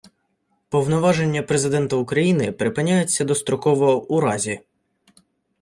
Повноваження Президента України припиняються достроково у разі: